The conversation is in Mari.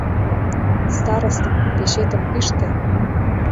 Староста, печетым пиште...